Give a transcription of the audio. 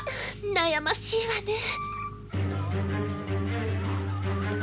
悩ましいわねえ。